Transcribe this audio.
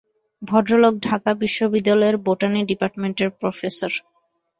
ভদ্রলোক ঢাকা বিশ্ববিদ্যালয়ের বোটানি ডিপার্টমেন্টের প্রফেসর।